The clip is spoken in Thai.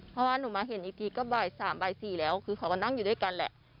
เพราะว่าหนูมาเห็นอีกทีก็บ่าย๓บ่าย๔แล้วคือเขาก็นั่งอยู่ด้วยกันแหละ